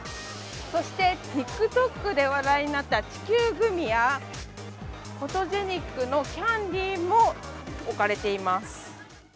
そして、ＴｉｋＴｏｋで話題になった地球グミやフォトジェニックのキャンディーも置かれています。